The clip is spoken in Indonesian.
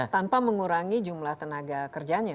tanpa mengurangi jumlah tenaga kerjanya